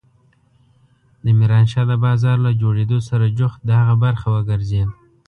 د ميرانشاه د بازار له جوړېدو سره جوخت د هغه برخه وګرځېد.